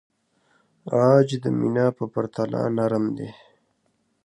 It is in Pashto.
عاج د مینا په پرتله نرم دی.